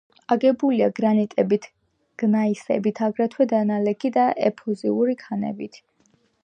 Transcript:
აგებულია გრანიტებით, გნაისებით, აგრეთვე დანალექი და ეფუზიური ქანებით.